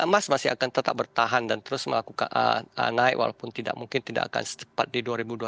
emas masih akan tetap bertahan dan terus melakukan naik walaupun tidak mungkin tidak akan secepat di dua ribu dua puluh